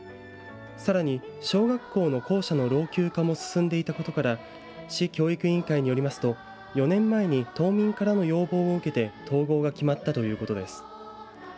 さらに、小学校の校舎の老朽化も進んでいたことから市教育委員会によりますと４年前に島民からの要望を受けて統合が決まったということです。